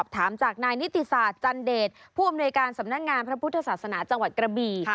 ถามจากนายนิติศาสตร์จันเดชผู้อำนวยการสำนักงานพระพุทธศาสนาจังหวัดกระบี่